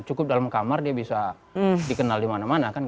cukup dalam kamar dia bisa dikenal dimana mana